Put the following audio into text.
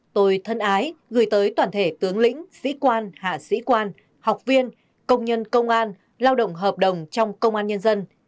tôi thân ái gửi tới toàn thể tướng lĩnh sĩ quan hạ sĩ quan học viên công nhân công an lao động hợp đồng trong công an nhân dân